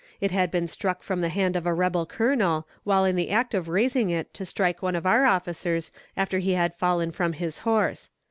It had been struck from the hand of a rebel colonel, while in the act of raising it to strike one of our officers after he had fallen from his horse.